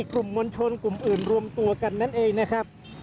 กลุ่มมวลชนกลุ่มอื่นรวมตัวกันนั่นเองนะครับ